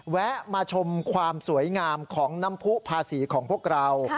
แวะมาชมความสวยงามของน้ำผู้ภาษีของพวกเรา